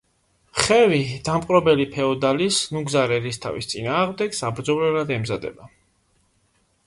ხევი დამპყრობელი ფეოდალის, ნუგზარ ერისთავის წინააღმდეგ საბრძოლველად ემზადება.